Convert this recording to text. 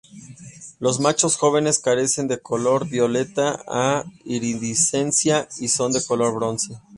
Los machos jóvenes carecen de color violeta o iridiscencia y son de color bronce.